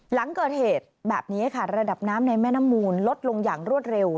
หลังเกิดเหตุแบบนี้ค่ะระดับน้ำในแม่น้ำมูลลดลงอย่างรวดเร็ว